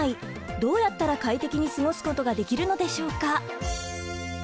どうやったら快適に過ごすことができるのでしょうか！？